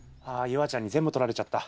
夕空ちゃんに全部取られちゃった。